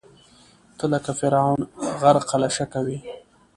ته لکه فرعون، غرقه له شکه وې